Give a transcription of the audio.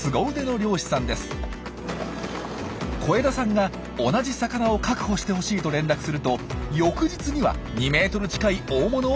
小枝さんが同じ魚を確保してほしいと連絡すると翌日には２ｍ近い大物をゲット！